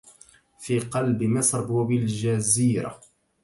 في قلب مصر وبالجزيرة